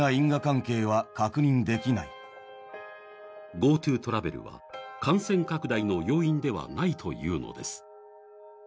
ＧｏＴｏトラベルは感染拡大の要因ではないというのです。